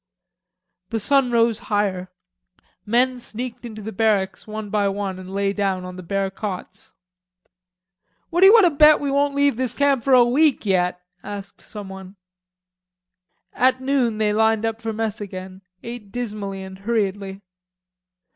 The sun rose higher. Men sneaked into the barracks one by one and lay down on the bare cots. "What you want to bet we won't leave this camp for a week yet?" asked someone. At noon they lined up for mess again, ate dismally and hurriedly.